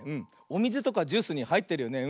おみずとかジュースにはいってるよね。